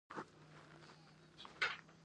تحولاتو مطلب اسلام غلبه ده.